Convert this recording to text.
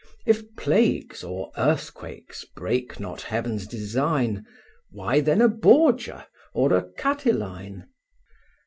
If plagues or earthquakes break not Heaven's design, Why then a Borgia, or a Catiline?